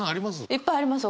いっぱいあります。